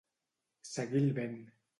Seguir el vent.